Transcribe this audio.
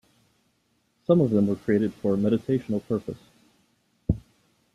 Some of them were created for meditational purpose.